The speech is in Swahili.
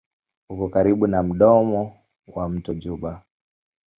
Uko karibu na mdomo wa mto Juba.